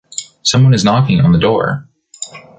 Someone is knocking on the door.